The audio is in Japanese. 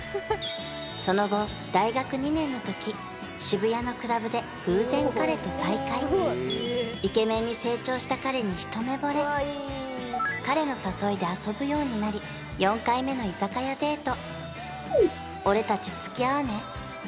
その後大学２年のとき渋谷のクラブで偶然彼と再会イケメンに成長した彼に彼の誘いで遊ぶようになり４回目の居酒屋デート